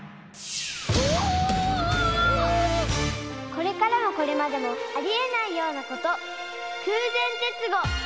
これからもこれまでもありえないようなこと！